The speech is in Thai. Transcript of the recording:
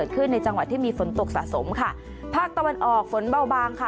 ขึ้นในจังหวัดที่มีฝนตกสะสมค่ะภาคตะวันออกฝนเบาบางค่ะ